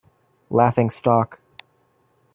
Laughing stock